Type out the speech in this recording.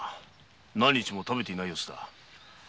何日も食べていない様子だ。